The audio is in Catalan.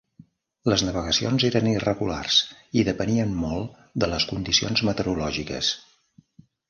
Les navegacions eren irregulars i depenien molt de les condicions meteorològiques.